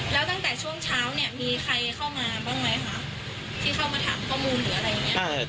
เมื่องเช้าเนี่ยมีใครเข้ามาบ้างไหมฮะที่เข้ามาถามข้อมูลหรืออะไรอย่างเงี้ย